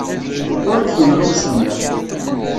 Ur k-yenɣi usemmiḍ.